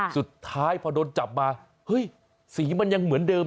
สุดท้ายพอโดนจับมาเฮ้ยสีมันยังเหมือนเดิม